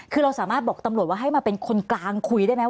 คือเราสามารถบอกตำรวจว่าให้มาเป็นคนกลางคุยได้ไหม